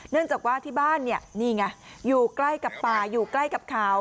เนื่องจากว่าที่บ้านเนี่ยนี่ไงอยู่ใกล้กับป่าอยู่ใกล้กับเขา